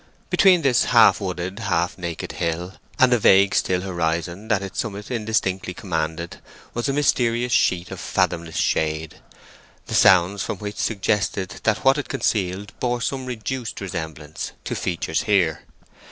Between this half wooded half naked hill, and the vague still horizon that its summit indistinctly commanded, was a mysterious sheet of fathomless shade—the sounds from which suggested that what it concealed bore some reduced resemblance to features here.